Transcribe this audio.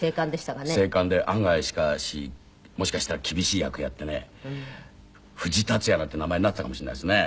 精悍で案外しかしもしかしたら厳しい役やってね藤竜也なんて名前になっていたかもしれないですね。